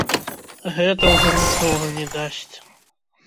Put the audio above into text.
Гэта ўжо нічога не дасць.